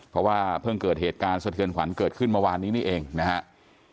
เพราะว่าเพิ่งเกิดเหตุการณ์สะเทือนขวัญเกิดขึ้นเมื่อวานนี้นี่เองนะครับ